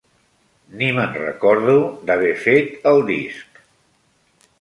Ni me'n recordo d'haver fet el disc.